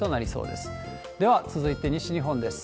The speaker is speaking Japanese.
では続いて、西日本です。